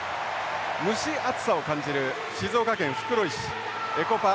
蒸し暑さを感じる静岡県袋井市エコパスタジアムです。